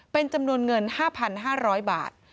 เป็นจำนวนเงิน๕๕๐๐บาท